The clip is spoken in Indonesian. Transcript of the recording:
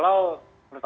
dari ideologi partainya